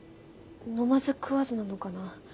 飲まず食わずなのかな？